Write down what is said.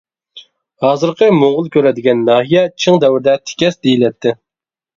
ھازىرقى موڭغۇلكۈرە دېگەن ناھىيە چىڭ دەۋرىدە تېكەس دېيىلەتتى.